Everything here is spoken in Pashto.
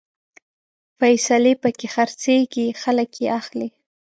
فیصلې پکې خرڅېږي، خلک يې اخلي